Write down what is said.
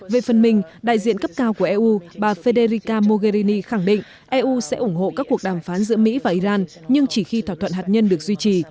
về phần mình đại diện cấp cao của eu bà federica mogherini khẳng định eu sẽ ủng hộ các cuộc đàm phán giữa mỹ và iran nhưng chỉ khi thỏa thuận hạt nhân được duy trì